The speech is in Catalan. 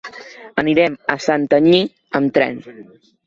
Anirem a Santanyí amb tren.